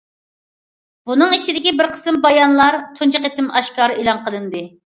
بۇنىڭ ئىچىدىكى بىر قىسىم بايانلار تۇنجى قېتىم ئاشكارا ئېلان قىلىندى.